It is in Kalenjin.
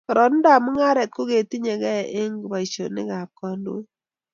kororonindab mung'aret ko tinyei gei ak boishonikab kandoik.